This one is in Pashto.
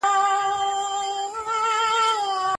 ځینې نورې څېړنې د هګۍ ملاتړ کوي.